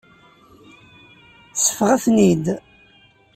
Seffɣet-ten-id.